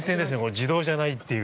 自動じゃないっていう。